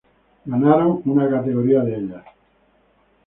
Ganaron una categoría de ellas.